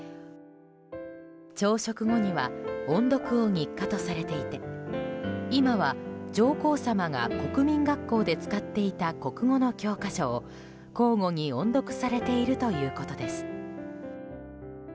朝食後には音読を日課とされていて今は上皇さまが国民学校で使っていた国語の教科書を交互に音読されているということです。